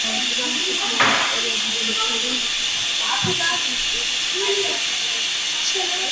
პირველი მსოფლიო ომის პერიოდის ლექსები პაციფისტური ხასიათისა იყო.